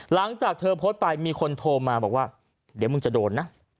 หลังจากเธอโพสต์ไปมีคนโทรมาบอกว่าเดี๋ยวมึงจะโดนนะ